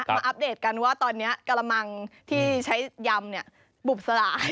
มาอัปเดตกันว่าตอนเนี้ยกระมังที่ใช้ยำเนี้ยบุ่บสลาย